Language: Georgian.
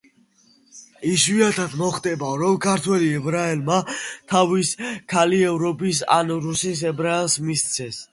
იშვიათად მოხდება, რომ ქართველ ებრაელმა თავის ქალი ევროპის, ან რუსის ებრაელს მისცეს.